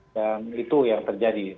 dan itu yang terjadi